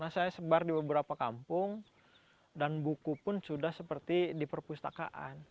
saya sebar di beberapa kampung dan buku pun sudah seperti di perpustakaan